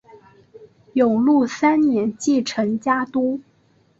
永禄三年继承家督。